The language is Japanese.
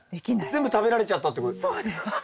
全部食べられちゃったってことですか？